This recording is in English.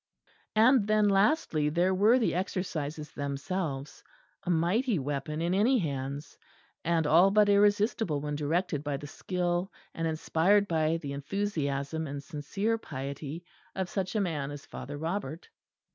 And then, lastly, there were the Exercises themselves, a mighty weapon in any hands; and all but irresistible when directed by the skill, and inspired by the enthusiasm and sincere piety of such a man as Father Robert.